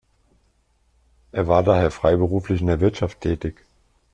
Er war daher freiberuflich in der Wirtschaft tätig.